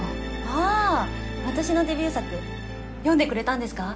ああ私のデビュー作読んでくれたんですか？